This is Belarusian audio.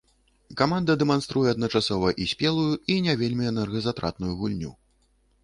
Каманда дэманструе адначасова і спелую, і не вельмі энергазатратную гульню.